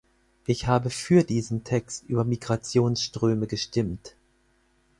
Ich habe für diesen Text über Migrationsströme gestimmt.